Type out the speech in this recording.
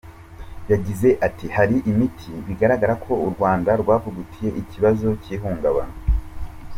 Yagize ati “Hari imiti bigaragara ko u Rwanda rwavugutiye ikibazo cy’ihungabana.